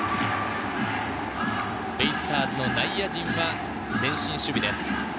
ベイスターズの内野陣は前進守備です。